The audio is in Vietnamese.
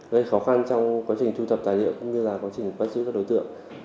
gây khó khăn trong quá trình thu thập tài liệu cũng như là quá trình bắt giữ các đối tượng